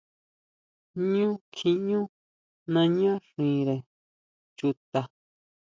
Ñú kjiʼñú naña xire chuta.